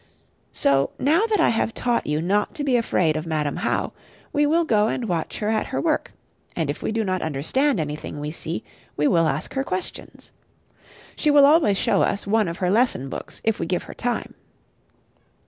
So now that I have taught you not to be afraid of Madam How, we will go and watch her at her work; and if we do not understand anything we see, we will ask her questions. She will always show us one of her lesson books if we give her time.